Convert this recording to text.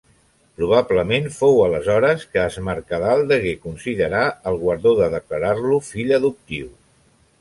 Probablement fou aleshores que Es Mercadal degué considerar el guardó de declarar-lo Fill Adoptiu.